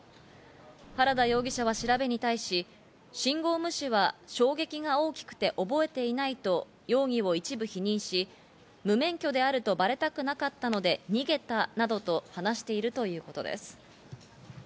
原田容疑者は調べに対し、信号無視は衝撃が大きくて覚えていないと容疑を一部否認し、無免許であるとばれたくなかったので逃げたなどと話しているということです。